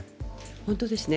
本当ですね。